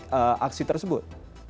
mengikuti aksi tersebut